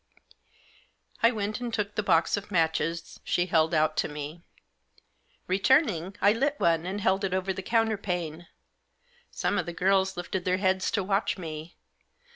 I went and took the box of matches she held out to me. Returning, I lit one and held it over the counter pane. Some of the girls lifted their heads to watch me.